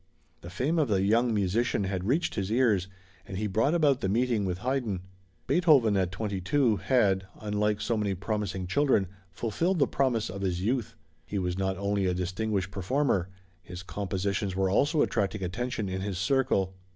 The fame of the young musician had reached his ears, and he brought about the meeting with Haydn. Beethoven at twenty two, had, unlike so many promising children, fulfilled the promise of his youth. He was not only a distinguished performer: his compositions were also attracting attention in his circle.